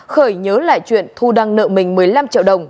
khởi nhớ lại chuyện thu đang nợ mình một mươi năm triệu đồng